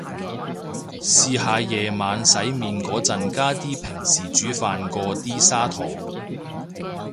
試下夜晚洗面個陣加啲平時煮飯個啲砂糖